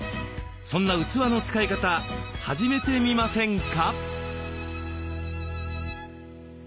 そんな器の使い方始めてみませんか？